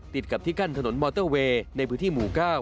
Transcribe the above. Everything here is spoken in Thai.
ติดกับที่กั้นถนนมอเตอร์เวย์ในพื้นที่หมู่๙